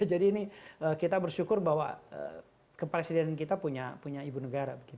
jadi ini kita bersyukur bahwa kepresidenan kita punya ibu negara